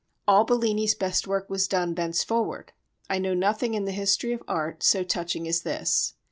All Bellini's best work was done thenceforward. I know nothing in the history of art so touching as this.